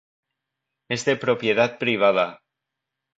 Es de propiedad privada.